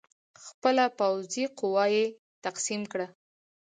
خپله پوځي قوه یې تقسیم کړه.